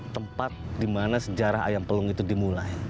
tempat dimana sejarah ayam pelung itu dimulai